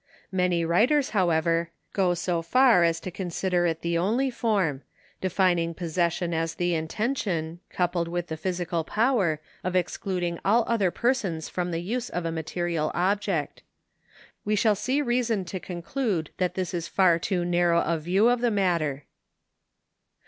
Many writers, however, go so far as to consider it the only form, defining possession as the intention, coupled with the physical power, of excluding all other persons from the use of a material object. We shall see reason to conclude that this is far too narrow a view of the matter.